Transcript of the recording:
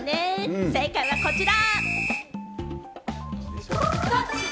正解はこちら。